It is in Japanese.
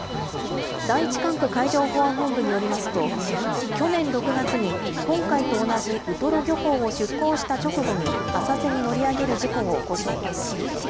第１管区海上保安本部によりますと、去年６月に今回と同じウトロ漁港を出港した直後に浅瀬に乗り上げる事故を起こしています。